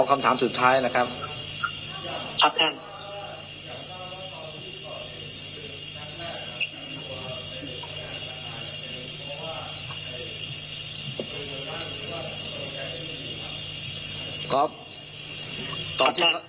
คำถามสุดท้ายนะครับครับท่าน